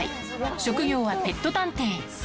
職業はペット探偵。